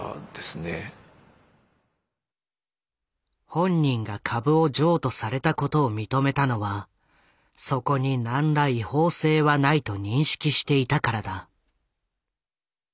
本人が株を譲渡されたことを認めたのはそこに何ら違法性はないと認識していたからだ。